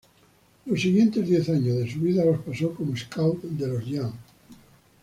Los siguientes diez años de su vida los pasó como scout de los Giants.